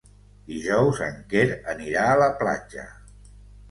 Dijous en Quer anirà a la platja.